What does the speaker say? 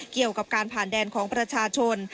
เกี่ยวกับการผ่านแดนของประชาชน